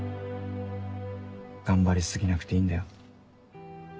頑張り過ぎなくていいんだよ。